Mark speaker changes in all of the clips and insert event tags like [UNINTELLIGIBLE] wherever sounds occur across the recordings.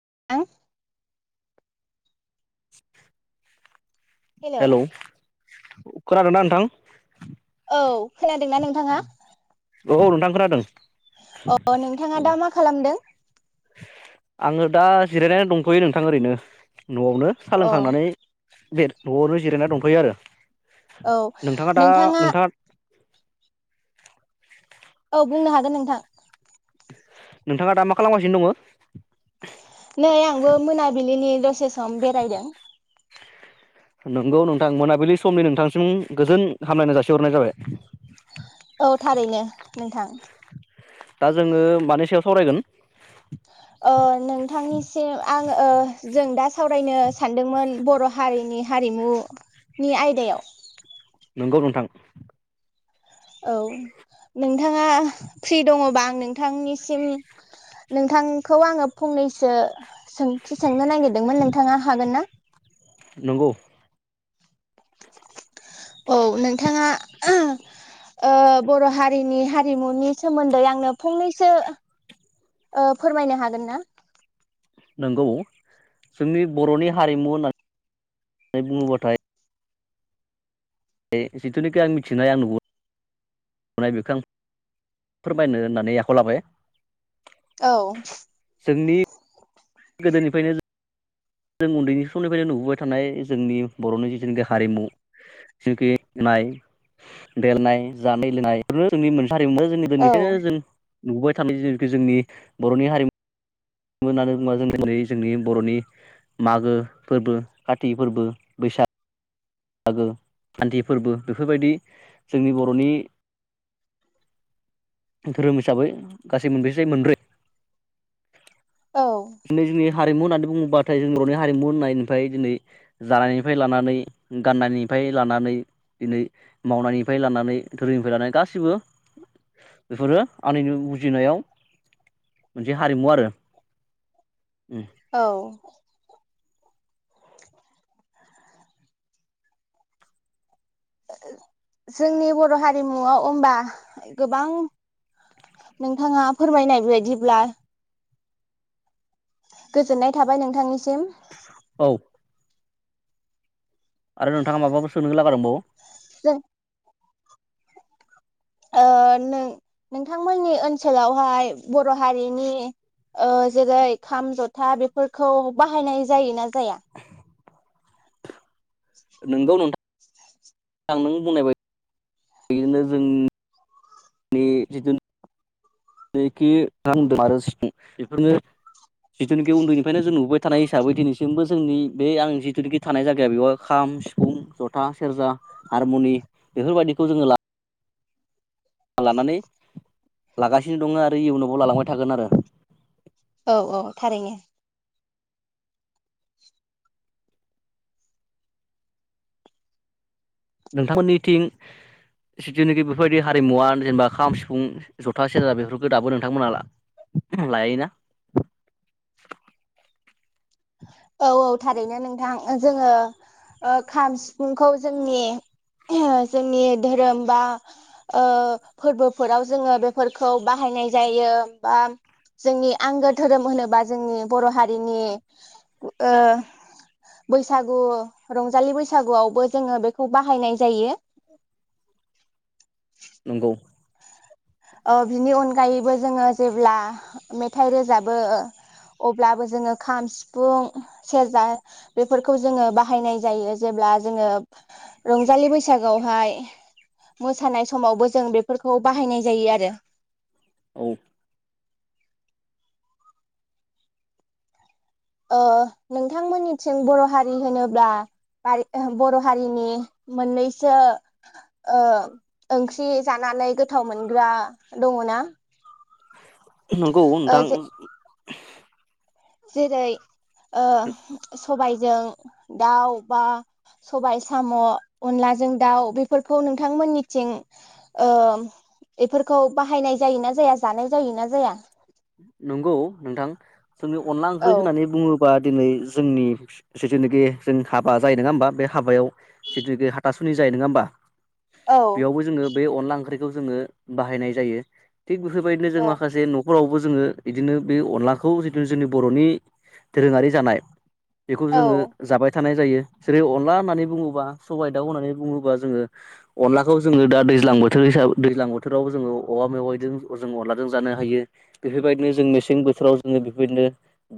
Speaker 1: [INAUDIBLE]
Speaker 2: [INAUDIBLE] Hello खोनादोंना नोंथां
Speaker 1: औ खोनादोंना नोंथाङा
Speaker 2: औ औ नोंथां खोनादों
Speaker 1: अ नोंथाङा
Speaker 2: औ
Speaker 1: दा मा खालामदों
Speaker 2: आङो दा जिरायनानै दंथ'यो नोंथां ओरैनो न'आवनो सा
Speaker 1: अ
Speaker 2: लोंखांनानै बे न'आवनो जिरायना दंथ'यो आरो
Speaker 1: औ
Speaker 2: नोंथाङा दा नोंथाङा
Speaker 1: औ बुंनो हागोन नोंथां
Speaker 2: नोंथाङा दा मा खालामगासिनो दङो
Speaker 1: नै आंबो मोनाबिलिनि दसे सम बेरायदों
Speaker 2: नंगौ नोंथां मोनाबिलि समनि नोंथांसिम गोजोन हामलायनाय जासिहरनाय जाबाय।
Speaker 1: औ थारैनो नोंथां
Speaker 2: दा जोङो मानि सायाव सावरायगोन?
Speaker 1: ओ नोंथांनिसिम आं ओ जों दा सावरायनो सानदोंमोन बर' हारिनि हारिमु नि आयदायाव
Speaker 2: नंगौ नोंथां
Speaker 1: औ नोंथाङा फ्रि दङबा आं नोंथांनिसिम नोंथांखौ आङो फंनैसो सोंथि सोंनो नागिरदोंमोन नोंथाङा हागोन ना?
Speaker 2: नंगौ
Speaker 1: औ नोंथाङा ओ बर' हारिनि हारिमुनि सोमोन्दै आंनो फंनैसो ओ फोरमायनो हागोन ना?
Speaker 2: नंगौ जोंनि बर'नि हारिमु होनना नै बुङोबाथाय जिथुनिखि आं मिथिनाय आं नुबो नाय बेखो आं फोरमायनो होननानै आखायाव लाबाय
Speaker 1: औ
Speaker 2: गोदोनिफायनो जों उन्दैनि समनिफायनो नुबोबाय थानाय जोंनि बर'नि जिथुनाखि हारिमु जिफि नाय देलनाय जानाय लोंनाय बबो जोंनि मोनस हारिमुआ जोंनि
Speaker 1: औ
Speaker 2: गोदोनिफ्रायनो जों नुबोबाय थानाय जिनिखि जोंनि बर'नि हारि मु होननानै बुङोबा जों दिनै जोंनि बर'नि मागो फोरबो काति फोरबो बैसाग मागो खाति फोरबो बेफोरबायदि जोंनि बर'नि धोरोम हिसाबै गासै मोनबैसे मोनब्रै दिनै जोंनि हारिमु होननानै बुङोब्लाथाय जोंनि बर'नि हारिमु होननायनिफ्राय दिनै जानायनिफ्राय लानानै गाननायनिफ्राय लानानै दिनै मावनायनिफ्राय लानानै धोरोमनिफ्राय लानानै गासैबो बेफोरो आंनिनो बुजिनायाव मोनसे हारिमु आरो
Speaker 1: औ [INAUDIBLE] जोंनि बर' हारिमुआव ओमबा गोबां नोंथाङा फोरमायनाय बायदिब्ला गोजोननाय थाबाय नोंथांनिसिम
Speaker 2: औ आरो नोंथाङा माबाफोर सोंनो लागा दंबावो
Speaker 1: [UNINTELLIGIBLE] ओ नों नोंथांमोननि ओनसोलावहाय बर' हारिनि ओ जेरै खाम जथा बेफोरखौ बाहायनाय जायोना जाया?
Speaker 2: नोंगौ नोंथा आं नों बुंनाय बायदिनो जोंनि जिथु नोखि आरो सिफुं बेफोरनो जिथुनिखि उन्दैनिफ्रायनो जों नुबाय थानाय हिसाबै दिनैसिमबो जोंनि बे आं जिथुनिखि थानाय जायगाया बेवहाय खाम सिफुं जथा सेरजा हारमुनि बेफोरबायदिखौ जोङो ला लानानै लागासिनो दङ आरो इयुनावबो लालांबाय थागोन आरो
Speaker 1: औ औ थारैनो
Speaker 2: नोंथांमोननिथिं जिथुनाखि बेफोरबायदि हारिमुवा जेनेबा खाम सिफुं जथा सेरजा बेफोरखौ दाबो नोंथांमोनहा ला लायोना
Speaker 1: औ औ थारैनो नोंथां जोङो ओ खाम सिफुंखौ जोंनि जोंनि धोरोम बा ओ फोरबोफोराव जोङो बेफोरखौ बाहायनाय जायो बा जोंनि आंगो धोरोम होनोबा जोंनि बर' हारिनि ओ बैसागु रंजालि बैसागुआवबो जोङो बेखौ बाहायनाय जायो।
Speaker 2: नंगौ
Speaker 1: ओ बिनि अनगायैबो जोङो जेब्ला मेथाइ रोजाबो अब्लाबो जोङो खाम सिफुं सेरजा बेफोरखौ जोङो बाहायनाय जायो जेब्ला जोङो रंजालि बैसागोआवहाय मोसानाय समावबो जों बेफोरखौ बाहायनाय जायो आरो
Speaker 2: औ
Speaker 1: ओ नोंथांमोननिथिं बर' हारि होनोब्ला बारि ओ बर' हारिनि मोननैसो ओ ओंख्रि जानानै गोथाव मोनग्रा दङ ना?
Speaker 2: नोंगौ नोंथां
Speaker 1: जेरै ओ सबायजों दाउ बा सबायाइ साम' अनलाजों दाउ बेफोरखौ नोंथांमोननिथिं ओ बेफोरखौ बाहायनाय जायोना जाया जानाय जायोना जाया?
Speaker 2: नंगौ नोंथां जोंनि अनला
Speaker 1: औ
Speaker 2: ओंख्रि होननानै बुङो। बा दिनै जोंनि जिथुनाखि जों हाबा जायो नङा होमबा बे हाबायाव जिथुनाखि हाथासुनि जायो नङा होमबा?
Speaker 1: औ
Speaker 2: बेयावबो जोङो बे अनला ओंख्रिखौ जोङो बाहायनाय जायो। थिग बेफोरबायदिनो जों
Speaker 1: औ
Speaker 2: माखासे न' फोरावबो जोङो बिदिनो बे अनलाखौ जिथु जोंनि बर'नि दोरोङारि जानाय बेखौ जोङो
Speaker 1: औ
Speaker 2: जाबाय थानाय जायो। जेरै अनला होननानै बुङोबा सबाइ दाउ होननानै बुङोबा जोङो अनलाखौ जोङो दा दैज्लां बोथोर हिसाबै दैज्लां बोथोराव जोङो औवा मेवाइजों जों अनलाजों जानो हायो। बेफोरबायदिनो जों मेसें बोथोराव जोङो बेफोरबायदिनो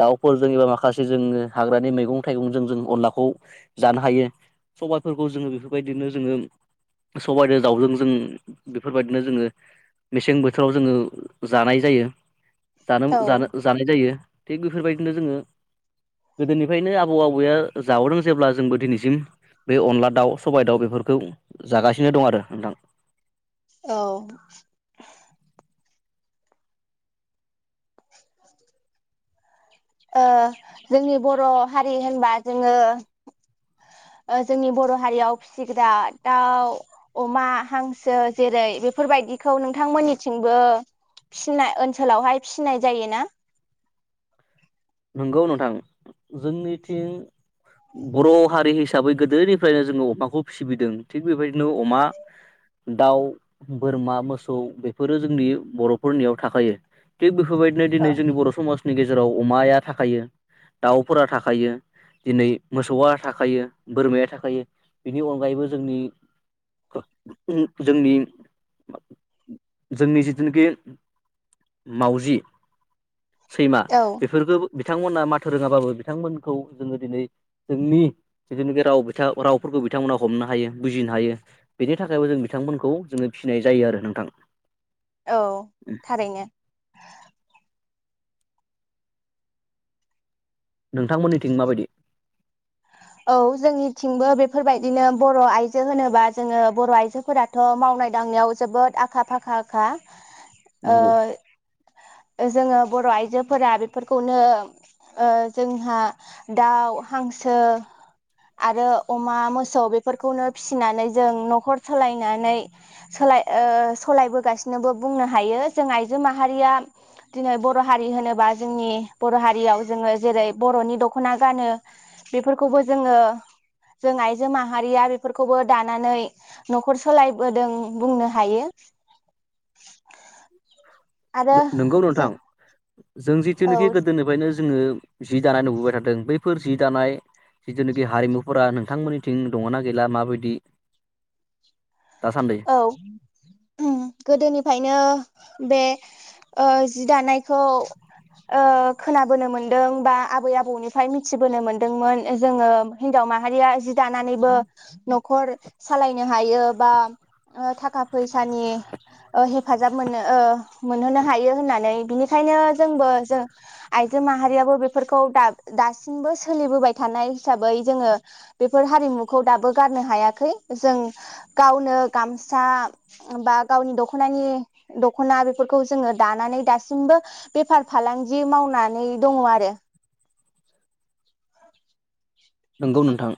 Speaker 2: दाउफोरजों एबा माखासे जोङ हाग्रानि मैगं थाइगंजों जों अनलाखौ जानो हायो। सबाइफोरखौ जोङो बेफोरबायदिनो जोङो सबजों दाउजों जों बेफोरबायदिनो जोङो मेसें बोथोराव जोङो जानाय जायो। जादों
Speaker 1: औ
Speaker 2: जानो जानाय जायो। थिग बेफोरबायदिनो जोङो गोदोनिफ्रायनो आबौ आबौआ जाबोदों जेब्ला जोंबो दिनैसिम बे अनला दाउ सबाय दाउ बेफोरखौ जागासिनो दं आरो नोंथां
Speaker 1: औ ओ जोंनि बर' हारि होनबा जोङो ओ जोंनि बर' हारियाव फिसिग्रा दाउ अमा हांसो जेरै बेफोरबायदिखौ नोंथांमोननिथिंबो फिसिनाय ओनसोलावहाय फिसिनाय जायोना?
Speaker 2: नंगौ नोंथां जोंनिथिं बर' हारि हिसाबै गोदोनिफ्रायनो जोङो अमाखौ फिबिदों थिग बेबायदिनो अमा दाउ बोरमा मोसौ बेफोरो जोंनि बर'फोरनियाव थाखायो थिग बे फोर बायदिनो दिनै जोंनि बर' समाजनि गेजे जेराव अमाया थाखायो दाउफोरा थाखायो दिनै मोसौआ थाखायो बोरमाया थाखायो बिनि अनगायैबो जोंनि जोंनि जोंनि जिथुनाखि मावजि सैमा
Speaker 1: औ
Speaker 2: बेफोरखौ बिथांमोना माथो रोङाबाबो बिथांमोनखौ जोङो दिनै जोंनि जिथुनाखि राव बिथां रावफोरखौ बिथांमोना हमनो हायो बुजिनो हायो बेनि थाखायबो जों बिथांमोनखौ जोङो फिनाय जायो आरो नोंथां
Speaker 1: औ थारैनो
Speaker 2: नोंथांमोननिथिं माबादि
Speaker 1: औ जोंनिथिंबो बेफोर बायदिनो बर' आइजो होनोबा जोङो बर' आइजोफोराथ' मावनाय दांनायाव जोबोद आखा फाखा खा
Speaker 2: नंगौ
Speaker 1: ओ जोङो बर' आइजोफोरा बेफोरखौनो ओ जोंहा दाउ हांसो आरो अमा मोसौ बेफोरखौनो फिसिनानै जों न'खर सालायनानै सोलाय ओ सलायबोगासिनोबो बुंनो हायो जों आइजो माहारिया दिनै बर' हारि होनोबा जोंनि बर' हारियाव जोङो जेरै बर'नि दखना गानो बेफोर खौबो जोङो जों आइजो माहारिया बेफोरखौबो दानानै न'खर सोलायबोदों बुंनो हायो आरो
Speaker 2: नंगौ
Speaker 1: जों
Speaker 2: नोंथां जों
Speaker 1: औ
Speaker 2: जिथुनोखि गोदोनिफ्रायनो जोङो जि दानाय नुबोबाय थादों बैफोर जि दानाय जिथुनोखि हारिमुफोरा नोंथांमोननिथिं दङना गैला माबायदि दासान्दि
Speaker 1: औ ओम गोदोनिफ्रायनो बे ओ जि दानायखौ ओ खोनाबोनो मोनदों बा आबै आबौनिफ्राय मिथिबोनो मोनदोंमोन जोङो हिनजाव माहारिया जि दानानैबो न'खर सालायनो हायो बा ओ थाखा फैसानि ओ हेफाजाब मोनो ओ मोनहोनो हायो होननानै बिनिखायनो जोंबो जों आइजो माहारियाबो बेफोरखौ दा दासिमबो सोलिबोबाय थानाय हिसाबै जोङो बेफोर हारिमुखौ दाबो गारनो हायाखै जों गावनो गामसा बा गावनि दख'नानि दख'ना बेफोरखौ जोङो दानानै दासिमबो बेफार फालांगि मावनानै दङ आरो
Speaker 2: नंगौ नोंथां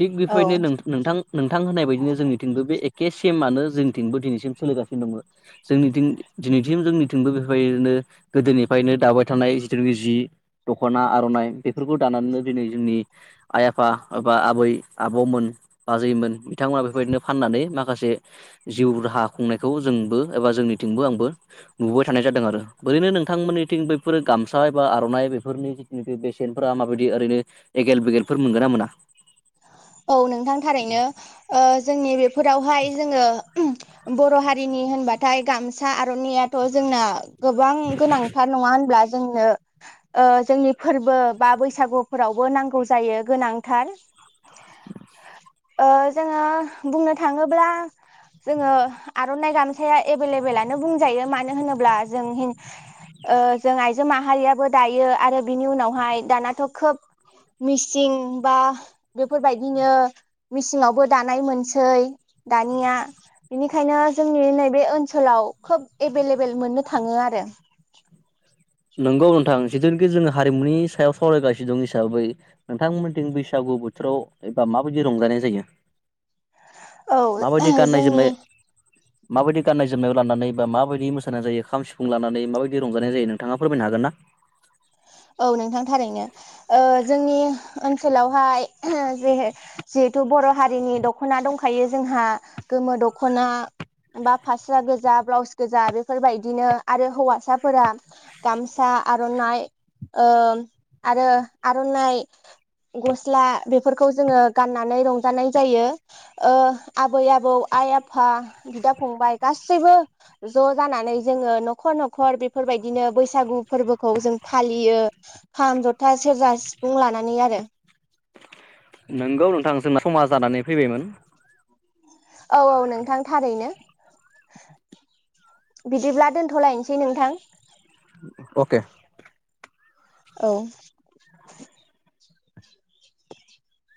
Speaker 2: थिग बेफोरबायदिनो नोंथां नोंथां होननाय बायदिनो जोंनिथिंबो बे एखे बे सेमानो जोंनिथिंबो दिनैसिम सोलिगासिनो दङ जोंनिथिं दिनैसिम जोंनिथिंबो बेफोर बायदिनो गोदोनिफ्रायनो दाबाय थानाय जिथुखि जि दख'ना आर'नाइ बेफोरखौ दानानैनो दिनै जोंनि आइ-आफा एबा आबै आबौमोन आजैमोन बिथांमोना बेबायदिनो फाननानै माखासे जिउ राहा खुंनायखौ जोंबो एबा जोंनिथिंबो आंबो नुुबाय थानाय जादों आरो ओरैनो नोंथांमोननिथिं बैफोर गामसा एबा आर'नाइ बेफोरनि जिथुनिखि बेसेनफोरा माबायदि ओरैनो एगेल बेगेल मोनगोन ना मोना?
Speaker 1: औ नोंथां थारैनो ओ जोंनि बे फोरावहाय जोङो बर' हारिनि होनबाथाय गामसा आर'नायाथ' जोंना गोबां गोनांथार नङा होनब्ला? जोंनो ओ जोंनि फोरबो बा बैसागुफोरावबो नांगौ जायो गोनांथार
Speaker 2: [INAUDIBLE]
Speaker 1: ओ जोङो बुंनो थाङोब्ला जोङो आर'नाइ गामसाया एभेलेबेलानो बुंजायो मानो होनोब्ला जों जों आइजो माहारियाबो दायो आरो बिनि उनावहाय दानाथ' खोब मिसिं बा बेफोर बायदिनो मेसिंवाबो दानाय मोनसै दानिया बेनिखायनो जोंनि नैबे ओनसोलाव खोब एभेलेबेल मोननो थाङो आरो
Speaker 2: नंगौ नोंथां जिथुनिखि जोङो हारिमुनि सायाव सावरायगासिनो दं हिसाबै नोंथांमोनथिं बैसागु बोथोराव एबा माबायदि रंजानाय जायो?
Speaker 1: औ
Speaker 2: माबायदि गाननाय
Speaker 1: जोंनि
Speaker 2: जोमनाय माबायदि गाननाय-जोमनाय लानानै बा माबायदि मोसानाय जायो खाम सिफुं लानानै माबायदि रंजानाय जायो नों थाङायो फोरमायनो हागोन ना?
Speaker 1: औ नोंथां थारैनो जोंनि ओनसोलावहाय जे जिहेथु बर' हारिनि दख'ना दंखायो जोंहा गोमो दख'ना बा फास्रा गोजा ब्लाउस गोजा बेफोरबायदिनो आरो हौवासाफोरा गामसा आर'नाइ ओ आरो आर'नाइ गस्ला बेफोरखौ जोङो गाननानै रंजानाय जायो ओ आबै आबौ आइ आफा बिदा फंबाय गासैबो ज' जानानै जोङो न'खर न'खर बेफोर बायदिनो बैसागु फोरबोखौ जों फालियो। बियो खाम, जथा, सेरजा, सिफुं लानानै आरो
Speaker 2: नोंगौ नोंथां जोंना समा जानानै फैबायमोन।
Speaker 1: औ औ नोंथां थारैनो बिदिब्ला दोनथ'लायनोसै नोंथां।
Speaker 2: अके।
Speaker 1: औ। [INAUDIBLE]